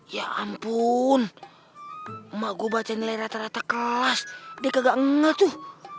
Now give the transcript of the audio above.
ya ampun emak gue baca nilai rata dua kelas dia kagak nge tuh